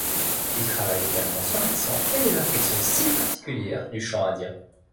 Il travaille également son accent et les inflexions si particulières du chant indien.